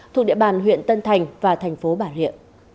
thuộc địa bàn huyện tân thành và thành phố bà rịa